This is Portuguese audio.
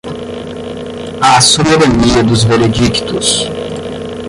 a soberania dos veredictos;